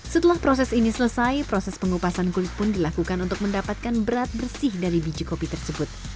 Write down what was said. setelah proses ini selesai proses pengupasan kulit pun dilakukan untuk mendapatkan berat bersih dari biji kopi tersebut